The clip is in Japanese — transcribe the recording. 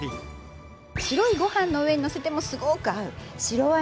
白いご飯の上にのせてもすごく合う。